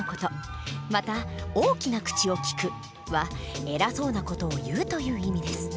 また「大きな口をきく」はえらそうな事をいうという意味です。